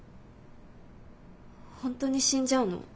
本当に死んじゃうの？